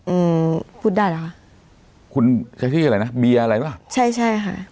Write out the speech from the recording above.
อืมพูดได้หรือคะคุณใช้ที่อะไรนะเบียอะไรหรือเปล่าใช่ค่ะ